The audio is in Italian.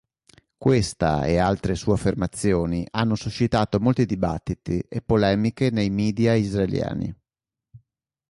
Questa e altre sue affermazioni hanno suscitato molti dibattiti e polemiche nei media israeliani.